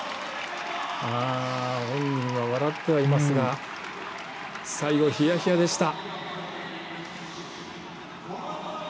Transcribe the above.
本人は笑ってはいますが最後、ひやひやでした。